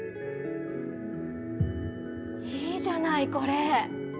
いいじゃないこれ。